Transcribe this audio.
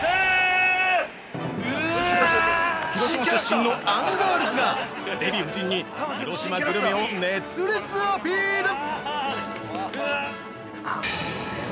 広島出身のアンガールズがデヴィ夫人に広島グルメを熱烈アピール！